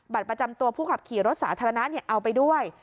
ประจำตัวผู้ขับขี่รถสาธารณะเอาไปด้วย